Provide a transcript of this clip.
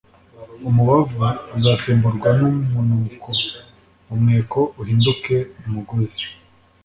Umubavu uzasimburwa n’umunuko, umweko uhinduke umugozi,